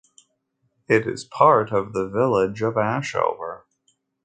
It is part of the village of Ashover.